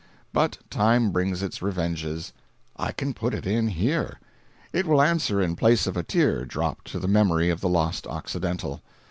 But time brings its revenges—I can put it in here; it will answer in place of a tear dropped to the memory of the lost Occidental.